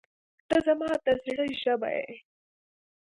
• ته زما د زړه ژبه یې.